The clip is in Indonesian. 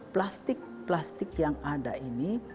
plastik plastik yang ada ini